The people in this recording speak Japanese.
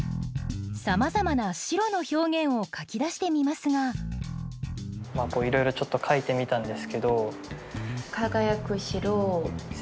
さまざまな白の表現を書き出してみますがいろいろちょっと書いてみたんですけど。